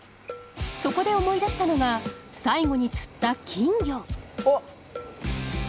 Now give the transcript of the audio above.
そこで思い出したのが最後に釣った金魚おっ。